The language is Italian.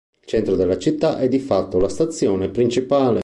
Il centro della città è di fatto la stazione principale.